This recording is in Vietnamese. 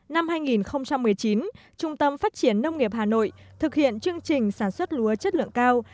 năm hai nghìn một mươi chín trung tâm phát triển nông nghiệp hà nội thực hiện chương trình sản xuất lúa chất lượng cao